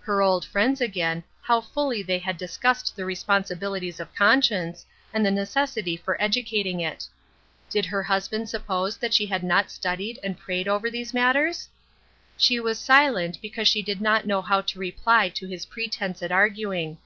Her old friends again, how fully they had dis cussed the responsibilities of conscience, and the necessity for educating it. Did her husband sup pose that she had not studied and prayed over these matters ? She was silent, because she did not know how to reply to his pretense at arguing.